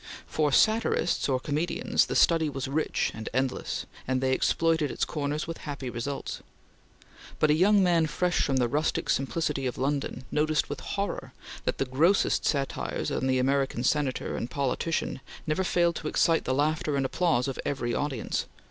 For satirists or comedians, the study was rich and endless, and they exploited its corners with happy results, but a young man fresh from the rustic simplicity of London noticed with horror that the grossest satires on the American Senator and politician never failed to excite the laughter and applause of every audience.